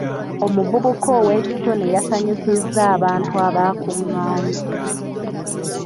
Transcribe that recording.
Omuvubuka ow'ekitone yasanyusizza abantu abaakungaanye.